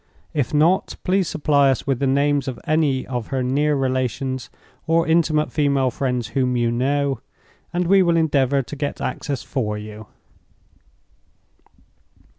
If not, please supply us with the names of any of her near relations or intimate female friends whom you know, and we will endeavor to get access for you.